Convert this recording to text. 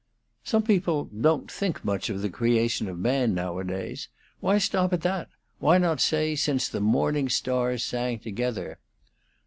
"Some people don't think much of the creation of man nowadays. Why stop at that? Why not say since the morning stars sang together?"